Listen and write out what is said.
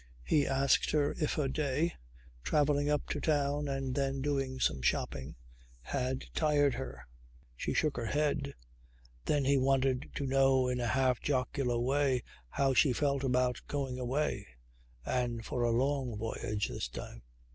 He asked her if her day, travelling up to town and then doing some shopping, had tired her. She shook her head. Then he wanted to know in a half jocular way how she felt about going away, and for a long voyage this time.